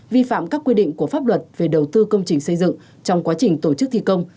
vi phạm các quy định của pháp luật về đầu tư công trình xây dựng trong quá trình tổ chức thi công